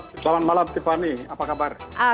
selamat malam tiffany apa kabar